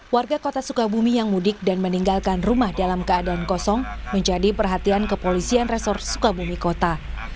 warga kota sukabumi yang mudik dan meninggalkan rumah dalam keadaan kosong menjadi perhatian kepolisian resor sukabumi kota